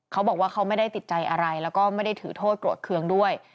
เขาบอกว่าเขาไม่ได้ติดใจอะไรแล้วก็ไม่ได้ถือโทษโกรธเครื่องด้วย